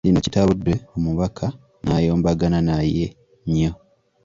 Kino kitabudde Omubaka n'ayombagana naye nyo.